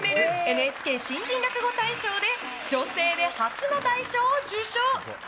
ＮＨＫ新人落語大賞で女性初の大賞を受賞。